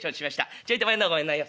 ちょいと前の方ごめんないよ。